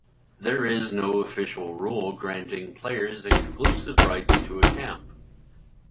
There is no official rule granting players exclusive rights to a camp.